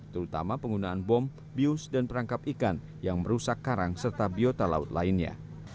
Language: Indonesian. terutama penggunaan bom bius dan perangkap ikan yang merusak karang serta biota laut lainnya